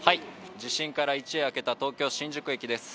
地震から一夜明けた東京・新宿駅です。